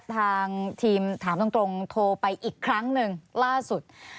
ทางทีมถามตรงโทรไปอีกครั้งหนึ่งล่าสุด